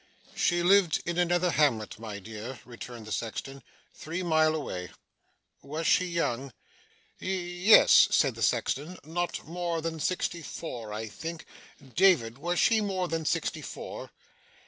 'She lived in another hamlet, my dear,' returned the sexton. 'Three mile away.' 'Was she young?' 'Ye yes' said the sexton; not more than sixty four, I think. David, was she more than sixty four?